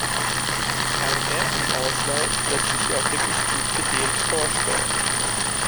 Ein «-r» im Auslaut lässt sich ja auch wirklich gut gedehnt vorstellen.